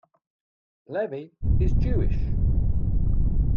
Levy is Jewish.